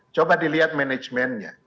coba dilihat manajemennya